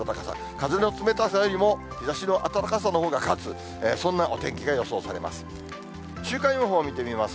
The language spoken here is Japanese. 風の冷たさよりも、日ざしの暖かさのほうが勝つ、そんなお天気が予想されます。